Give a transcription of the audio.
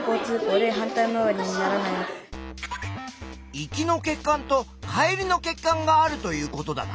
行きの血管と帰りの血管があるということだな！